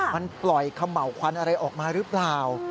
มันปล่อยเขม่าวควันอะไรออกมาหรือเปล่า